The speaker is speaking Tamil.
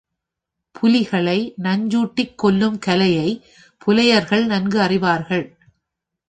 புலிகளை நஞ்சூட்டிக் கொல்லும் கலையைப் புலையர்கள் நன்கு அறிவார்கள்.